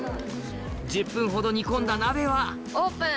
１０分ほど煮込んだ鍋はオープン！